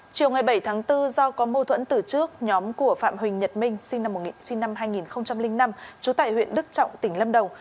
chiều ngày bảy tháng bốn do có mâu thuẫn từ trước nhóm của phạm huỳnh nhật minh sinh năm hai nghìn năm trú tại huyện đức trọng tỉnh lâm đồng